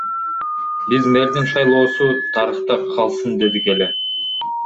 Биз мэрдин шайлоосу тарыхта калсын дедик эле.